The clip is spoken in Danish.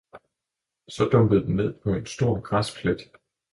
Så dumpede den ned på en stor græsplet.